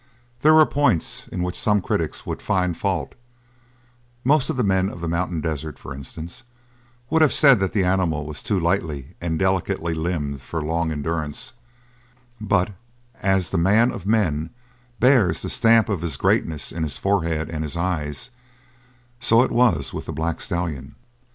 There were points in which some critics would find fault; most of the men of the mountain desert, for instance, would have said that the animal was too lightly and delicately limbed for long endurance; but as the man of men bears the stamp of his greatness in his forehead and his eyes, so it was with the black stallion.